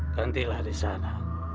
tentilah di sana